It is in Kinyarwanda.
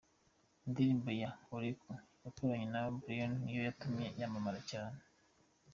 Indirimbo ye ‘Oleku’ yakoranye na Brymo niyo yatumye yamamara cyane.